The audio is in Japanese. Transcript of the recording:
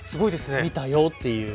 見たよっていう。